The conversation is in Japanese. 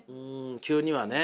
急にはね。